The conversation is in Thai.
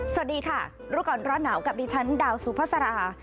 สวัสดีค่ะรู้ก่อนร้อนหนาวกับดิฉันดาวสุภาษา